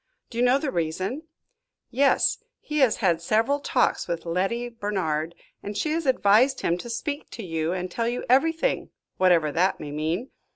"Do you know the reason?" "Yes. He has had several talks with Letty Bernard, and she has advised him to speak to you, and tell you everything, whatever that may mean.